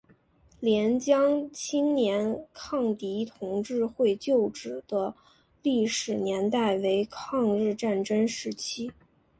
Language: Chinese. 廉江青年抗敌同志会旧址的历史年代为抗日战争时期。